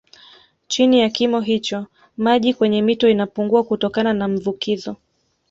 Chini ya kimo hicho maji kwenye mito inapungua kutokana na mvukizo